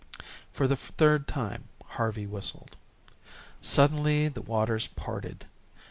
For the third time, Harvey whistled. Suddenly the waters parted.